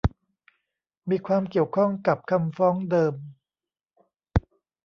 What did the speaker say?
มีความเกี่ยวข้องกับคำฟ้องเดิม